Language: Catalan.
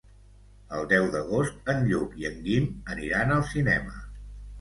El deu d'agost en Lluc i en Guim aniran al cinema.